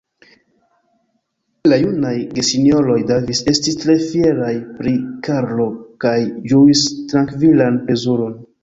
La junaj gesinjoroj Davis estis tre fieraj pri Karlo kaj ĝuis trankvilan plezuron.